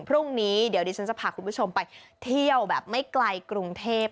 พรุ่งนี้เดี๋ยวดิฉันจะพาคุณผู้ชมไปเที่ยวแบบไม่ไกลกรุงเทพ